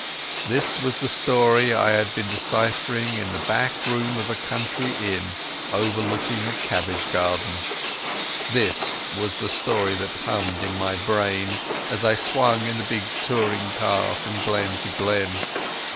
This was the story I had been deciphering in a back room of a country inn, overlooking a cabbage garden. This was the story that hummed in my brain as I swung in the big touring car from glen to glen.